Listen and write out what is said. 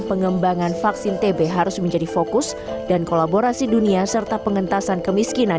pengembangan vaksin tb harus menjadi fokus dan kolaborasi dunia serta pengentasan kemiskinan